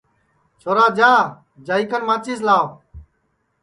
چھورا جا جائی کن ماچِس لاو